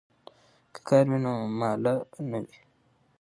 که کار وي نو ماله نه وي.